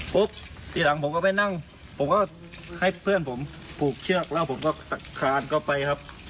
ทีหลังผมก็ไปนั่งผมก็ให้เพื่อนผมผูกเชือกแล้วผมก็ขาดเข้าไปครับ